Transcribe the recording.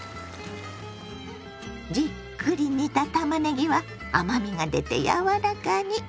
じっくり煮たたまねぎは甘みが出て柔らかに。